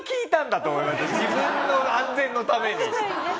自分の安全のために。